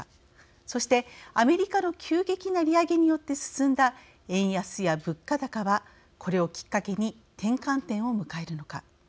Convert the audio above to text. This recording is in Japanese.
そして、アメリカの急激な利上げによって進んだ円安や物価高はこれをきっかけに転換点を迎えるのか。